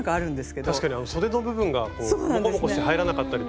確かにそでの部分がモコモコして入らなかったりとか。